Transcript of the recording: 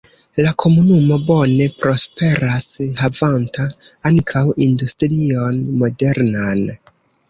La komunumo bone prosperas havanta ankaŭ industrion modernan.